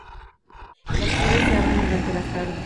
Las flores se abren durante las tardes.